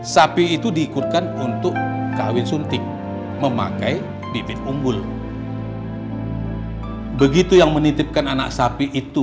sapi itu diikutkan untuk kawin suntik memakai bibit unggul begitu yang menitipkan anak sapi itu